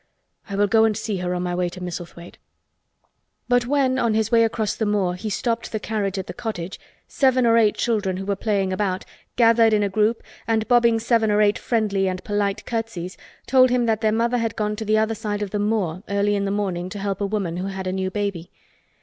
"I will go and see her on my way to Misselthwaite." But when on his way across the moor he stopped the carriage at the cottage, seven or eight children who were playing about gathered in a group and bobbing seven or eight friendly and polite curtsies told him that their mother had gone to the other side of the moor early in the morning to help a woman who had a new baby.